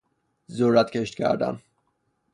ذرت کشت کردن